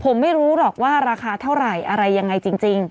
ผมไม่รู้หรอกว่าราคาเท่าไหร่อะไรยังไงจริง